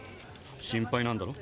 心配なんだろ？